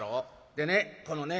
でねこのね